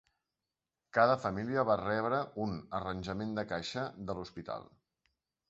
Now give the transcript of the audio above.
Cada família va rebre un arranjament de caixa de l'hospital.